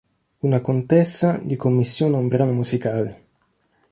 Una contessa gli commissiona un brano musicale.